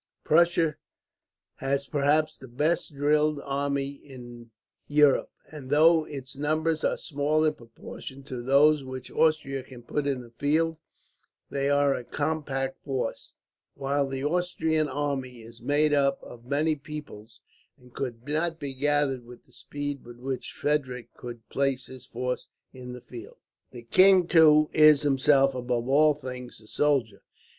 Prussia has perhaps the best drilled army in Europe, and though its numbers are small in proportion to those which Austria can put in the field, they are a compact force; while the Austrian army is made up of many peoples, and could not be gathered with the speed with which Frederick could place his force in the field. "The king, too, is himself, above all things, a soldier.